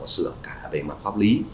sửa cả về mặt pháp lý